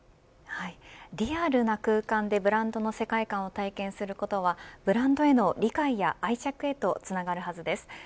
リアルな空間でブランドの世界観を体験することはブランドへの理解や愛着へとつながるはずです。